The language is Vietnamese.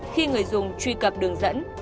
khi người dùng truy cập đường dẫn